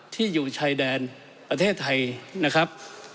ที่อยู่ชายแดนประเทศไทยนะครับ